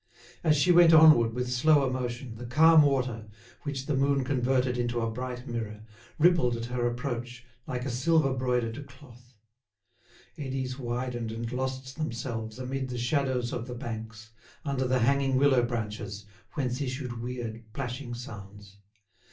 As she went onward with slower motion, the calm water, which the moon converted into a bright mirror, rippled at her approach like a silver broidered cloth; eddies widened and lost themselves amid the shadows of the banks, under the hanging willow branches, whence issued weird, plashing sounds.